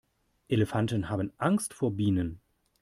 Elefanten haben Angst vor Bienen.